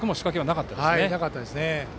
なかったですね。